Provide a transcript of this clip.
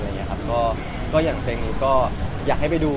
ก็อยากเพลงนี้อย่างนี้อยากให้ไปดู